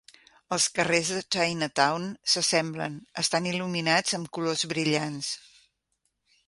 Els carrers de Chinatown s'assemblen, estan il·luminats amb colors brillants.